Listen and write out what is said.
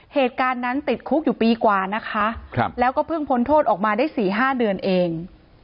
เหตุการณ์นั้นติดคุกอยู่ปีกว่านะคะแล้วก็เพิ่งพ้นโทษออกมาได้๔๕เดือนเอง